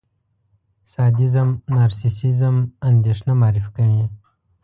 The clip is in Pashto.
سادېزم، نارسېسېزم، اندېښنه معرفي کوي.